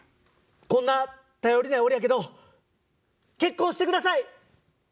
こんな頼りない俺やけど結婚してください！